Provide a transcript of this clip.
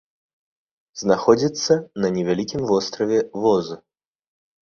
Знаходзіцца на невялікім востраве воз.